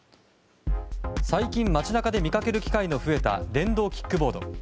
最近、街中で見かける機会の増えた電動キックボード。